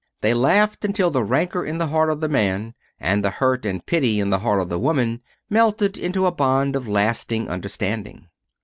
They laughed until the rancor in the heart of the man and the hurt and pity in the heart of the woman melted into a bond of lasting understanding.